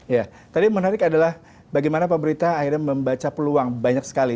ya tadi menarik adalah bagaimana pemerintah akhirnya membaca peluang banyak sekali